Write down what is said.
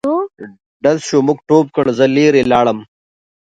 ډز شو موږ ټوپ کړ زه لیري لاړم.